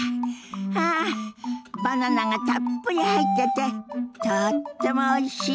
あバナナがたっぷり入っててとってもおいしい！